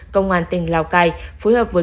công an tỉnh lào cai phối hợp với